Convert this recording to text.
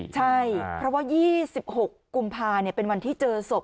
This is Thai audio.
ใช่เพราะว่า๒๖กุมภาเป็นวันที่เจอศพ